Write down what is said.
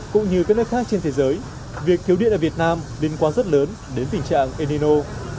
cũng như các nước khác trên thế giới việc thiếu điện ở việt nam liên quan rất lớn đến tình trạng enino